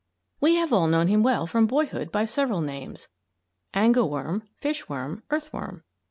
We have all known him well from boyhood by several names angleworm, fishworm, earthworm.